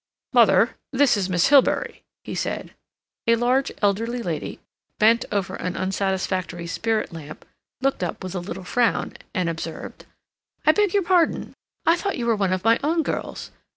"Mother, this is Miss Hilbery," he said. A large elderly lady, bent over an unsatisfactory spirit lamp, looked up with a little frown, and observed: "I beg your pardon. I thought you were one of my own girls.